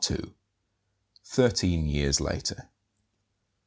THIRTEEN YEARS LATER.